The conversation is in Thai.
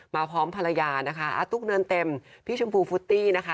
พร้อมภรรยานะคะอาตุ๊กเนินเต็มพี่ชมพูฟุตตี้นะคะ